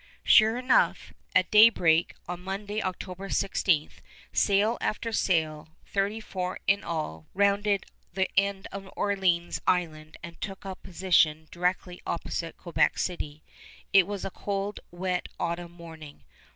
Sure enough, at daybreak on Monday, October 16, sail after sail, thirty four in all, rounded the end of Orleans Island and took up position directly opposite Quebec City. It was a cold, wet autumn morning.